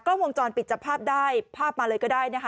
กล้องวงจรปิดจับภาพได้ภาพมาเลยก็ได้นะคะ